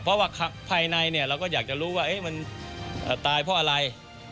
เพราะว่าภายในเราก็อยากจะรู้ว่ามันตายเพราะอะไร